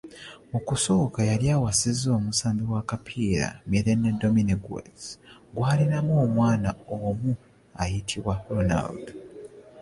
Mu kusooka yali awasizza omusambi w’akapiira Milene Domingues gw’alinamu omwana omu ayitibwa Ronald.